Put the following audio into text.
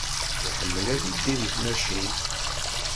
Iḥemmel ad iddu di tmacint.